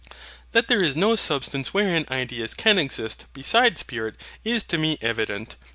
That there is no substance wherein ideas can exist beside spirit is to me evident.